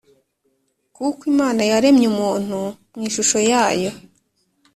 kuko Imana yaremye umuntu mu ishusho yayo